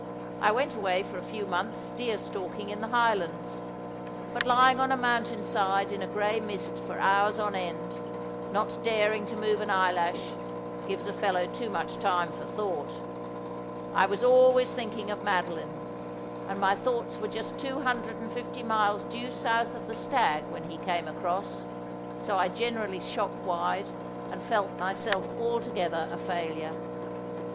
I went away for a few months deer stalking in the Highlands ; but lying on a moun tain side in a gray mist for hours on end, not daring to move an eyelash, gives a fellow too much time for thouwht. I was always thinking of Madoline, and my thoughts were iust two hundred and fifty miles due south of the stag when he came across, so I generally shot wild, and felt myself altogether a failure.